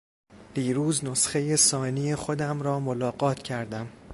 دیروز نسخهی ثانی خودم را ملاقات کردم.